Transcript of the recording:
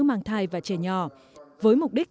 mang thai và trẻ nhỏ với mục đích